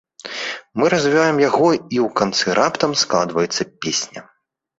Мы развіваем яго і ў канцы раптам складваецца песня.